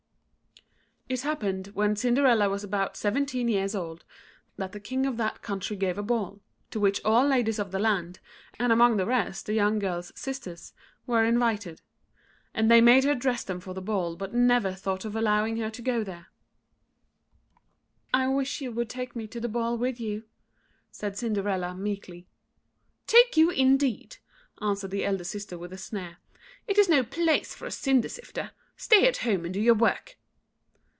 ] It happened, when Cinderella was about seventeen years old, that the King of that country gave a ball, to which all ladies of the land, and among the rest the young girl's sisters, were invited. And they made her dress them for the ball, but never thought of allowing her to go there. [Illustration: CINDERELLA DRESSING HER SISTERS FOR THE BALL.] "I wish you would take me to the ball with you," said Cinderella, meekly. "Take you, indeed!" answered the elder sister, with a sneer; "it is no place for a cinder sifter: stay at home and do your work."